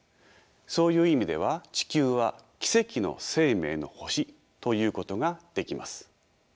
そういう意味では地球は奇跡の生命の星ということができます。